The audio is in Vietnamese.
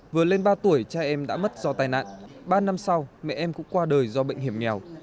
vừa lên ba tuổi cha em đã mất do tai nạn ba năm sau mẹ em cũng qua đời do bệnh hiểm nghèo